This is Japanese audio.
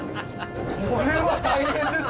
これは大変ですよ。